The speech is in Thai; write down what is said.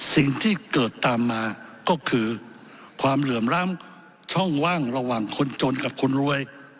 สิ่งที่เกิดตามมาก็คือความเหลื่อมล้ำช่องว่างระหว่างคนจนกับคนรวย